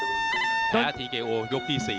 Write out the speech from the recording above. นักมวยจอมคำหวังเว่เลยนะครับ